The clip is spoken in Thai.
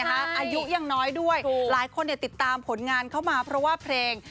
อายุยังน้อยด้วยหลายคนติดตามผลงานเข้ามาเพราะว่าเพลง